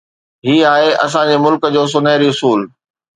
هي آهي اسان جي ملڪ جو سونهري اصول.